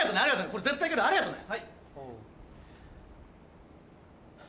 これ絶対いけるありがとね。